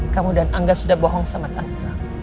kamu dan angga sudah bohong sama tante